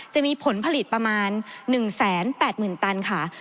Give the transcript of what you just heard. จะมีผลผลิตประมาณ๑๘๐๐๐ตันค่ะ